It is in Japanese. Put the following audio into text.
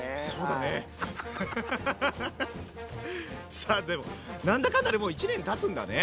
さあでも何だかんだでもう１年たつんだね。